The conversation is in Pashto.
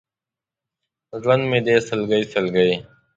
ژوند مې دی سلګۍ، سلګۍ!